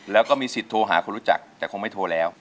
แล้วก็มีสิทธิ์โทรหาคนรู้จักแต่คงไม่โทรแล้ว